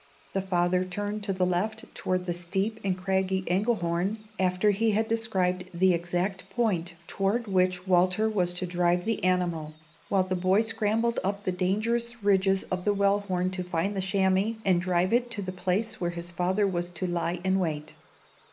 The father turned to the left toward the steep and craggy Engelhorn, after he had described the exact point toward which Walter was to drive the animal, while the boy scrambled up the dangerous ridges of the Wellhorn, to find the chamois, and drive it to the place where his father was to lie in wait.